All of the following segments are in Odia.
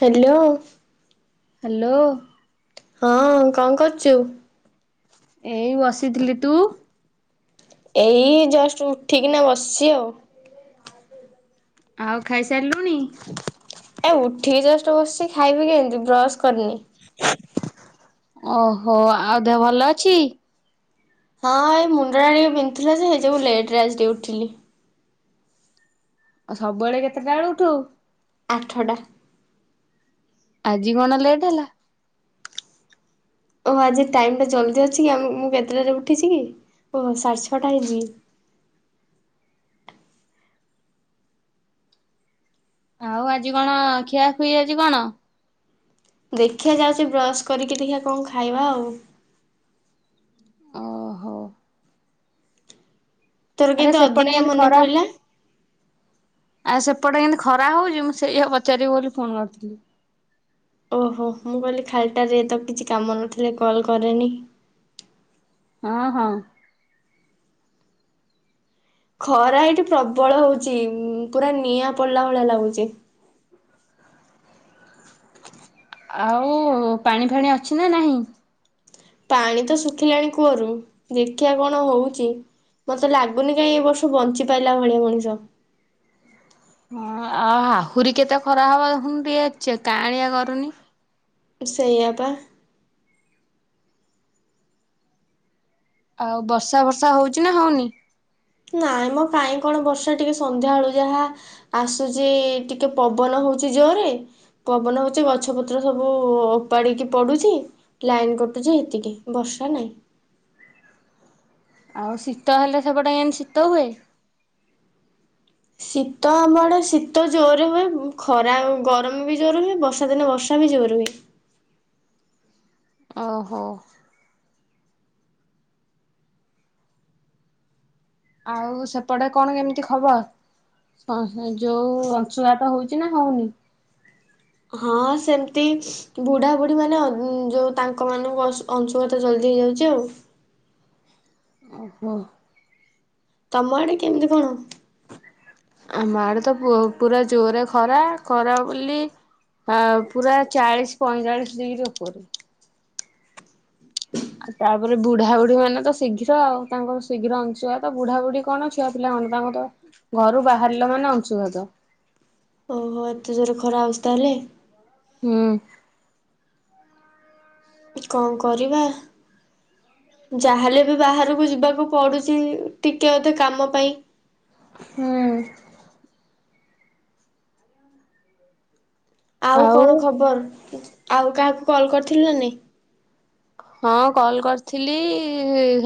ହ୍ୟାଲୋ ହ୍ୟାଲୋ ହଁ କଣ କରୁଛୁ? ଏଇ ବସିଥିଲି ତୁ ଏଇ ଜଷ୍ଟ ଉଠିକିନା ବସିଛି ଆଉ। ଆଉ ଖାଇସାରିଲୁଣି ଏ ଉଠିକି ଜଷ୍ଟ ବସିଛି ଖାଇବି କେମିତି ବ୍ରସ୍ କରିନି ଓହୋ ଆଉ ଦେହ ଭଲ ଅଛି। ହଁ ଏଇ ମୁଣ୍ଡଟା ଟିକେ ବିନ୍ଧୁଥିଲା ଯେ ସେଇ ଯୋଗୁ ଲେଟରେ ଆଜି ଟିକେ ଉଠିଲି ଆଉ ସବୁବେଳେ କେତେଟା ବେଳୁ ଉଠୁ ଆଠଟା ଆଜି କଣ ଲେଟ୍ ହେଲା। ଓହୋ ଆଜି ଟାଇମ ଟା ଜଲଦି ଅଛି କି ଆ ମୁଁ କେତେଟାରେ ଉଠିଛି କି ଓହୋ ସାଢେ ଛଅଟା ହେଇଛିକି ଆଉ ଆଜି କଣ ଖିଆଖୁଇ ଆଜି କଣ? ଦେଖିିବା ଯାଉଛି ବ୍ରଶ କରିକି ଦେଖିବା କଣ ଖାଇବା ଆଉ ଓହୋ ତୋର ଆରେ କେମିତି ସେପଟେ ଅଦିନିଆ ଏଇନେ ମନେ ଖରା ପଇଲା? ଆ ସେ ସେପଟେ କେମିତି ଖରା ହଉଛି ମୁଁ ସେଇଆା ପଚାରିବି ବୋଲି ଫୋନ କରିଥିଲି। ଓହୋ ମୁଁ କହିଲି ଖାଲିଟାରେ ତ କିଛି କାମ ନଥିଲେ କଲ କରେନି ହଁ ହଁ ଖରା ଏଇଠି ପ୍ରବଳ ହଉଚି ପୁରା ନିଆଁ ପଡିଲା ଭଳି ଲାଗୁଚି ଆଉ ପାଣି ଫାଣି ଅଛି ନା ନାହିଁ। ପାଣି ତ ଶୁଖିଲାଣି କୂଅରୁ ଦେଖିବା କଣ ହଉଛି ମତେ ଲାଗୁନି କାଇଁ ଏ ବର୍ଷ ବଞ୍ଚି ପାରିଲା ଭଳିଆ ମଣିଷ ହ ଆଉ ଆହୁରି କେତେ ଖରା ହବ ଦେଖୁନୁ ଟିକେ କାଆଁଳିଆ କରୁନି। ସେଇଆ ପା ଆଉ ବର୍ଷା ଭର୍ଷା ହଉଚି ନା ହଉନି ନାଇଁ ମୋ କାଇହିଁ କଣ ବର୍ଷା ଟିକେ ସନ୍ଧ୍ୟା ବେଳୁ ଯାହା ଆସୁଛି ଟିକେ ପବନ ହଉଚଛି ଜୋରେ ପବନ ହଉଚଛି ଗଛ ପତ୍ର ସବୁ ଉପାଡିକି ପଡୁଛି ଲାଇନ କଟୁଛି ହେତିକି ବର୍ଷା ନାଇଁ। ଆଉ ଶୀତ ହେଲେ ସେପଟେ କେମିତି ଶୀତ ହୁଏ। ଶୀତ ଆମଡେ ଶୀତ ଜୋର ହୁଏ ଖରା ଗରମ ବି ଜୋର ହୁଏ ବର୍ଷା ଦିନେ ବର୍ଷା ବି ଜୋର ହୁଏ। ଓହୋ ଆଉ ସେପଟେ କଣ କେମିତି ଖବର ଅଁ, ହଁ ଯୋଉ ଅଂଶୁଘାତ ହୋଉଚି ନା ହୋଉନି? ହଁ ସେମିତି ବୁଢା ବୁଢୀ ମାନେ ଅ, ଯୋଉ ତାଙ୍କ ମାନଙ୍କୁ ଅଶ-ଅଂଶୁଘାତ ଜଲଦି ହେଇଯାଉଚି ଆଉ। ଓହୋ। ତୋମ ଆଡେ କେମିତି କଣ? ଆମ ଆଡେ ତ ପୁ-ପୁରା ଜୋରେ ଖରା ଖରା ବୋଲି ଆ-ପୁରା ଚାଳିଶ ପଇଁଚାଳିଶ ଡିଗ୍ରୀ ଉପରେ। ଆ ତାପରେ ବୁଢା ବୁଢୀ ମାନେ ତ ଶୀଘ୍ର ଆଉ, ତାଙ୍କର ଶୀଘ୍ର ଅଂଶୁଘାତ ବୁଢାାବୁଢୀ କଣ ଛୁଆ ପିଲା କଣ ତାଙ୍କ ତ ଘରୁ ବାହାରିଲା ମାନେ ଅଂଶୁଘାତ। ଓହୋ ଏତେ ଜୋର ର ଖରା ହୋଉଚି ତାହେଲେ। ଅଁ, କଣ କରିବା ଯାହା ହେଲେ ବି ବାହାରକୁ ଯିବାକୁ ପଡୁଚି, ଟିକେ ଅଧେ କାମ ପାଇଁ। ହୁଁ। ଆଉ କଣ ଖବର? ଆଉ କାହାକୁ କଲ୍ କରିଥିଲ ନା ନାଇଁ। ହଁ କଲ୍ କରିଥିଲି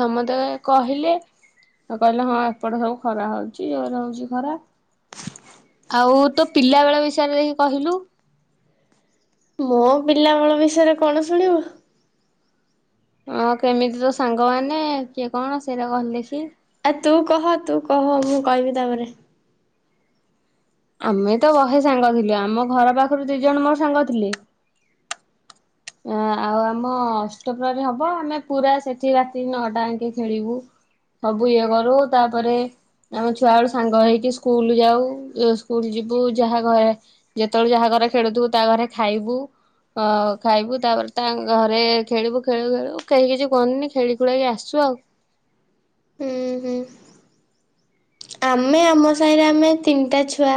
ସମସ୍ତେ କହିଲେ ତ କହିଲେ ହଁ ଏପଟ ସବୁ ଖରା ହଉଚି, ଜୋର ହଉଚି ଖରା, ଆଉ ତୋ ପିଲା ବେଳ ବିଷୟରେ ଦେଖି କହିଲୁ। ମୋ ପିଲା ବେଳ ବିଷୟରେ କଣ ଶୁଣିବୁ? ହଁ କେମିତି ତୋ ସାଙ୍ଗମାନେ କିଏ କଣ ସେଇଟା କହିଲୁ ଦେଖି? ଆ ତୁ କହ, ତୁ କହ, ମୁଁ କହିବି ତାପରେ। ଆମେ ତ ବହେ ସାଙ୍ଗ ଥିଲୁ ଆମ ଘର ପାଖରୁ ଦି ଜଣ ମୋର ସାଙ୍ଗ ଥିଲେ। ଅ ଆଉ ଆମ ଅଷ୍ଟପ୍ରହରି ହବ ଆମେ ପୁରା ସେଠି ରାତି ନଅଟା ଆଙ୍କେ ଖେଳିବୁ ସବୁ ଇଏ କରୁ, ତାପରେ ଆମ ଛୁଆ ବେଳୁ ସାଙ୍ଗ ହେଇକି ସ୍କୁଲ ଯାଉ, ଏ ସ୍କୁଲ ଯିବୁ ଯାହା ଘରେ ଯେତେବେଳେ ଯାହା ଘରେ ଖେଳୁଥିବୁ ତା ଘରେ ଖାଇବୁ। ଅ, ଖାଇବୁ ତାପରେ ତାଙ୍କ ଘରେ ଖେଳିବୁ ଖେଳୁ ଖେଳିବୁ କେହି କିଛି କୁହନ୍ତିନି, ଖେଳି ଖୁଳାକି ଆସୁ ଆଉ। ହୁଁ ହୁଁ। ଆମେ ଆମ ସାହିରେ ଆମେ ତିନିଟା ଛୁଆ,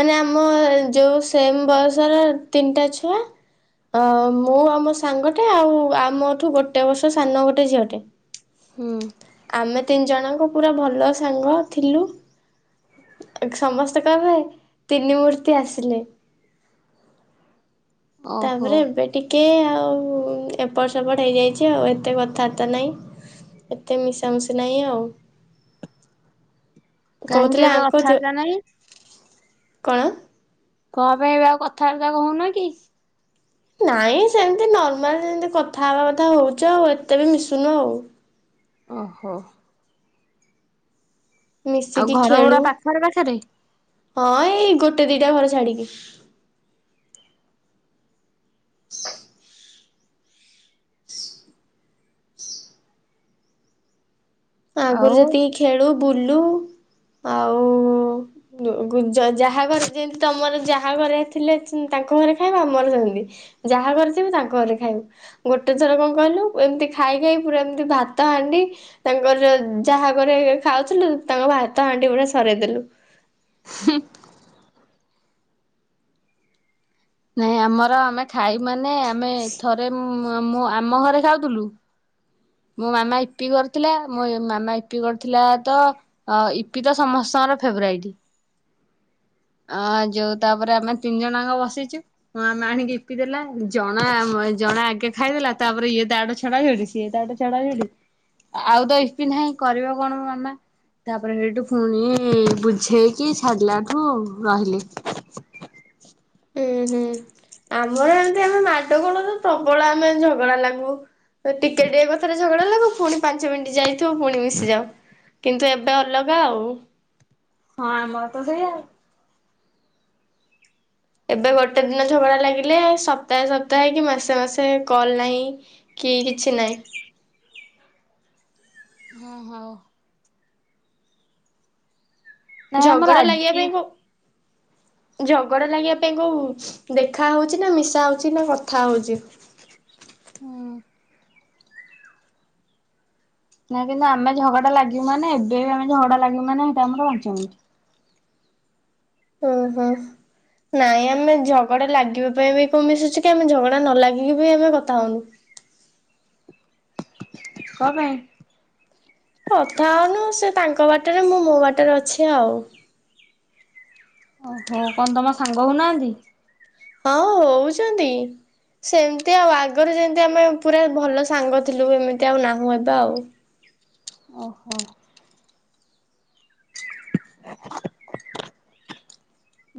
ମାନେ ଆମ ଯୋଉ ସେମ୍ ବୟସର ତିନିଟା ଛୁଆ, ଅ, ମୁଁ ଆମ ସାଙ୍ଗଟେ ଆଉ ଆମଠୁ ଗୋଟେ ବର୍ଷ ସାନ ଗୋଟେ ଝିଅଟେ। ହଁ। ଆମେ ତିନି ଜଣଙ୍କ ପୁରା ଭଲ ସାଙ୍ଗ। ଥିଲୁ ସମସ୍ତେ କହିବେ ତିନି ମୂର୍ତ୍ତି ଆସିଲେ। ଓହୋ ତାପରେ ଏବେେ ଟିକେ ଆଉ ଏପଟ ସେପଟ ହେଇଯାଇଛି, ଆଉ ଏତେ କଥାବାର୍ତ୍ତା ନାହିଁ, ଏତେ ମିଶାମିଶି ନାହିଁ ଆଉ। କାହିଁକି କହୁଥିଲେ ଏବେ ଆଙ୍କ ଅଥା ଯୋ ବାର୍ତ୍ତା ନାଇଁ? କଣ? କଣ ପାଇଁ ଏବେ ଆଉ କଥାବାର୍ତ୍ତା କହୁନ କି? ନାଇଁ ସେମିତି ନର୍ମାଲ ଯେମିତି କଥା ହେବା କଥା ହଉଚେ ଆଉ, ଏତେ ବି ମିଶୁନୁ। ଓହୋ। ଆଉ ମିଶିକି ଘର ଖେଳୁ ଗୁରା ପାଖରେ ପାଖରେ? ହଁ ଏଇ ଗୋଟେ ଦିଟା ଘର ଛାଡ଼ିକି। ହ ଆଗରୁ ଆଉ ଯେତିକି ଖେଳୁ ବୁଲୁ ଆଉ ଗୁ-ଗୁ-ଯାହା ଘରେ ଯେମିତି ତୋମର ଯାହା ଘରେ ଥିଲେ ତାଙ୍କ ଘରେ ଖାଇବ ଆମର ସେମିତି, ଯାହା ଘରେ ଥିବୁ ତାଙ୍କ ଘରେ ଖାଇବୁ, ଗୋଟେ ଥର କଣ କହିଲୁ ଏମିତି ଖାଇଖାଇ ପୁରା ଏମିତି ଭାତ ହାଣ୍ଡି ତାଙ୍କର ଯ-ଯାହା ଘରେ ଖାଉଥୁଲୁ ତାଙ୍କ ଭାତ ହାଣ୍ଡି ଗୁଡା ସରେଇଦେଲୁ। ନାଇଁ ଆମର ଆମେ ଖାଇ ମାନେ ଆମେ ଥରେ ମୁ ମ- ମୁଁ ଆମ ଘରେ ଖାଉଥୁଲୁ ମୋ ମାମା ଇପି କରିଥିଲା, ମୋ ଏ-ମାମା ଇପି କରିଥିଲା ତ ଅ, ଇପି ତ ସମସ୍ତଙ୍କର ଫେବରାଇଟ, ଅ, ଯୋଉ ତାପରେ ଆମେ ତିନି ଜଣ ଯାଙ୍କ ବସିଚୁ, ମୋ ମାମା ଆଣିକି ଇପି ଦେଲା, ଜଣା ଜଣେ ଆଗେ ଖାଇଦେଲା ତାପରେ ଇଏ ତାଠୁ ଛଡା ଛଡି ସିଏ ତାଠୁ ଛ ଛଡା ଛଡି ଆଉ ତ ଇପି ନାହିଁ କରିବ କଣ ମାମା ତାପରେ ସେଇଠୁ ଫୁଣି ବୁଝେଇକି ଛାାଡିଲାଠୁ ରହିଲେ। ହୁଁ ହୁଁ ଆମର ଏମିତି ଆମେ ମାଡଗୋଳର ପ୍ରବଳ ଆମେ ଝଗଡା ଲାଗୁ। ତ ଟିକେ ଟ କଥ ଗଡା ପୁଣି ପାଞ୍ଚ ମିନିଟ ଯାଇଥିବ ପୁଣି ମିଶିଯାଉ। କିନ୍ତୁ ଏବେ ଅଲଗା ଆଉ। ହଁ ଆମର ତ ସେଇଆଉ। ଏବେ ଗୋଟେ ଦିନ ଝଗଡା ଲାଗିଲେ ସପ୍ତାହେ ସପ୍ତାହେ କି ମାସେ ମାସେ କଲ ନାହିଁ କି କିଛି ନାହିଁ। ହଁ ହଉ। ନାଇଁ ଆମ ଆଜି ଝଗଡ଼ା ଲାଗିବା ପାଇଁ କୋଉ ଦେଖା ହଉଛି ନା ମିଶା ହଉଛି ନା କଥା ହଉଚି ହୁଁ ନାଇଁ କିନ୍ତୁ ଆମେ ଝଗଡା ଲାଗିବ ନା ଏବେ ଆମେ ଝଗଡା ଲାଗିବ ମ ନା ସେଇଟା ଆମର ପାଞ୍ଚ ମିନିଟ୍ ଓହୋ ନାଇଁ ଆମେ ଝଗଡା ଲାଗିବା ପାଇଁ ବି କଣ ମିଶୁଛୁ କି ଆମେ ଝଗଡା ନ ଲାଗିକି ବି ଆମେ କଥା ହଉନୁ। କ ପାଇଁ କଥା ହଉନୁ ସେ ତାଙ୍କ ବାଟରେ ମୁଁ ମୋ ବାଟରେ ଅଛି ଆଉ। ଓହୋ କନ୍ଦମା ସାଙ୍ଗ ହଉନାହାନ୍ତି? ହଁ ହଉଛନ୍ତି ସେମିତି ଆଉ ଆଗରୁ ଯେମିତି ଆମେ ପୁରା ଭଲ ସାଙ୍ଗ ଥିଲୁ ଏମିତି ଆଉ ନାହୁଁ ଏବେ ଆଉ। ଓହୋ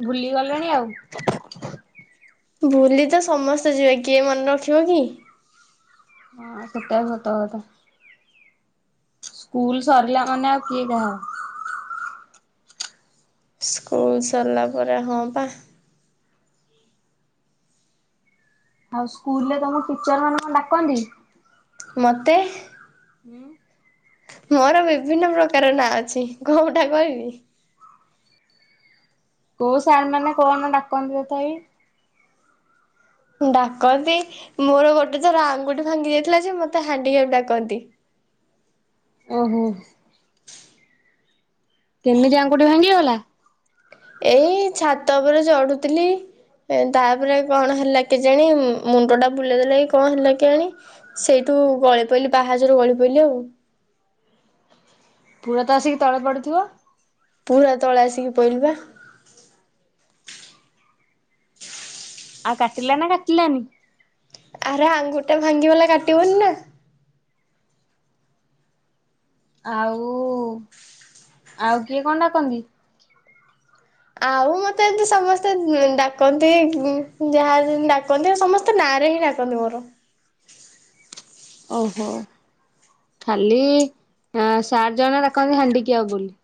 ଭୁଲିଗଲେଣି ଆଉ। ଭୁଲି ତ ସମସ୍ତେ ଯିବେ କିଏ ମନେ ରଖିବ କି? ହ ସେଟା ବି ସତ କଥା ସ୍କୁଲ ସରିଲା ମାନେ ଆଉ କିଏ କାହା ସ୍କୁଲ ସରିଲା ପରେ ହଁ ବା ଆଉ ସ୍କୁଲ ରେ ତମକୁ ଟିଚର ମାନେ କଣ ଡାକନ୍ତି? ମୋତେ ହଁ ମୋର ବିଭିନ୍ନ ପ୍ରକାର ନାଁ ଅଛି କଉଟା କହିବି? କୋଉ ସାର ମାନେ କଣ ଡାକନ୍ତି ତଥାପି। ଡାକନ୍ତି ମୋର ଗୋଟେ ତର ଆଙ୍ଗୁଠ ଭାଙ୍ଗି ଯାଇଥିଲା ଯେ ମତେ ହା ହାଣ୍ଡିକପ ଡାକନ୍ତି। ଓହୋ କେମିତି ଆଙ୍ଗୁଠି ଭାଙ୍ଗିଗଲା। ଏଇ ଛାତ ଉପରେ ଚଢୁଥିଲି ତାପରେ କଣ ହେଲା କେ ଜାଣି ମୁଣ୍ଡ ଟା ବୁଲେଇ ଦେଲା କି କଣ ହେଲା କେ ଆଣି ସେଇଠୁ ଗଳି ପଇଲିି ପାହାଚରୁ ଗଳି ପଇଲିି ଆଉ। ପୁରା ତ ଆସିକି ତଳେ ପଡିଥିବ। ପୁରା ତଳେ ଆସିକି ପହିଲି ବା ଆଉ କାଟିଲା ନା କାଟିଲାନି? ଆରେ ଆଙ୍ଗୁଟା ଭାଙ୍ଗି ବଲା କାଟିବନି ନା। ଆଉ ଆଉ କିଏ କଣ ଡାକନ୍ତି? ଆଉ ମତେ ଏତି ସମସ୍ତେ ଡାକନ୍ତି ଯାହା ଜେନ୍ତି ଡାକନ୍ତି ସମସ୍ତେ ନାଁରେ ହିଁ ଡାକନ୍ତି ମୋର ଓହୋ ଖାଲି ସାର ଜଣ ଡାକନ୍ତି ହାଣ୍ଡିିକ୍ୟାପ ବୋଲି।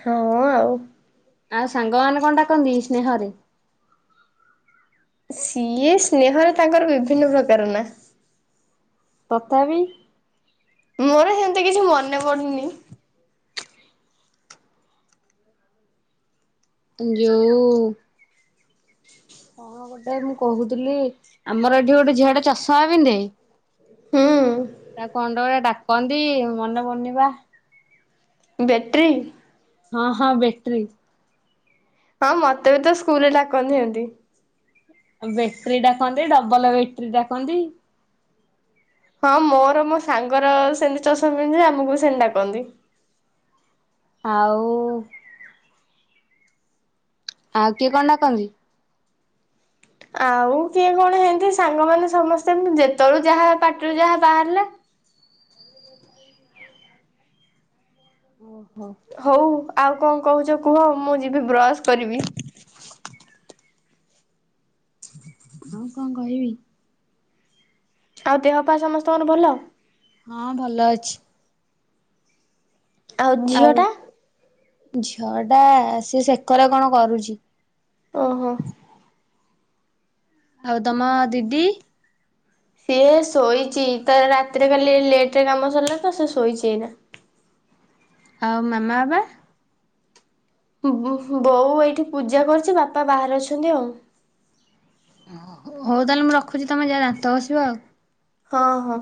ହଁ ହଁ ଆଉ। ଆ ସଂଙ୍ଗ ଆାନେ କଣ ଡାକନ୍ତି ସ୍ନେହରେ? ସିଏ ସ୍ନେହରେ ତାଙ୍କର ବିଭିନ୍ନ ପ୍ରକାର ନା ତଥାପି ମୋର ସେମତି କିଛି ମନେ ପଡୁନି। ଯୋଉ କଣ ଗୋଟେ ମୁଁ କହୁଥିଲି ଆମର ଏଠି ଗୋଟେ ଝିଆଡେ ଚାଷ ମା ପିନ୍ଧେ ହୁଁ ତା କଣ୍ଡ ଗା କହନ୍ତି ମନେ ପଡୁନି ବା ବ୍ୟାଟେରୀ ହଁ ହଁ ବେଟ୍ରି। ହଁ ମତେ ବି ତ ସ୍କୁଲରେ ଡାକନ୍ତି ହେମିତି ବେଟ୍ରି ଡାକନ୍ତି ଡବଲ ବେଟ୍ରି ଡାକନ୍ତି ହଁ ମୋର ମୋ ସାଙ୍ଗର ସେମିତି ଚଷମା ପିନ୍ଧଛୁ ଯେ ଆମକୁ ବି ସେମିତି ଡାକନ୍ତି ଆଉ ଆଉ କିଏ କଣ ଡାକନ୍ତି ଆଉ କିଏ କଣ ହେନ୍ତି ସାଙ୍ଗମାନେ ସମସ୍ତେ ଯେତେବେଳୁ ଯାହା ପାଟିରୁ ଯାହା ବାହାରିଲା ଓ ହଉ ଆଉ କଣ କହୁଛ କୁହ ମୁଁ ଯିବି ବ୍ରଶ କରିବି ଆଉ କଣ କହିବି ଆଉ ଦେହ ପାହା ସମସ୍ତଙ୍କର ଭଲ ହଁ ଭଲ ଅଛି ଆଉ ଝିଅ ଟା ଝିଅ ଟା ସେ ସେକରେ କଣ କରୁଛି ଓହୋ ଆଉ ତମ ଦିଦି ସିଏ ଶୋଇଛି ତ ରାତିରେ କାଲି ଲେଟ ରେ କାମ ସରିଲା ତ ସେ ଶୋଇଛି ଏଇନା ଆଉ ମାମା ବାବା ବୋଉ ଏଇଠି ପୂଜା କରୁଛି ବାପା ବାହାରେ ଅଛନ୍ତି ଆଉ ଓ ହଉ ତାହେଲେ ମୁଁ ରଖୁଛି ତମେ ଯା ଦାନ୍ତ ଘସିବ ଆଉ ହଁ ହଁ